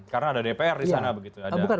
karena ada dpr di sana begitu